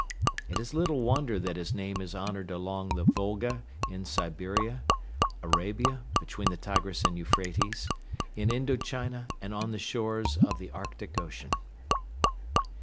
It is little wonder that his name is honored along the Volga, in Siberia, Arabia, between the Tigris and Euphrates, in Indo China and on the shores of the Arctic Ocean.